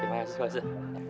terima kasih pak ustadz